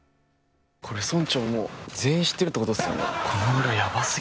これ、村長も全員知ってるってことですよね。